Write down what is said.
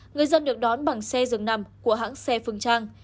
người dân được đón bằng xe dường nằm của hãng xe phương trang